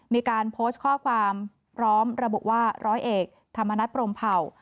มีการโพสต์ข้อความพร้อมระบุว่าร้อยเอกธรรมนัฐพรมเผ่า